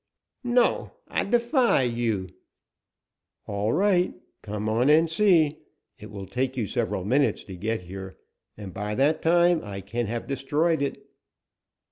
"No! I defy you!" "All right, come on and see. It will take you several minutes to get here, and by that time I can have destroyed it."